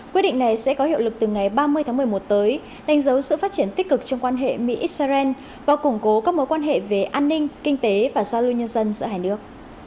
quyết định này sẽ có hiệu lực từ ngày ba mươi tháng một mươi một tới đánh dấu sự phát triển tích cực trong quan hệ mỹ israel và củng cố các mối quan hệ về an ninh kinh tế và giao lưu nhân dân giữa hai nước